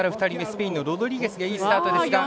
スペインのロドリゲスがいいスタートですが。